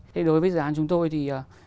thế đối với dự án chúng tôi thì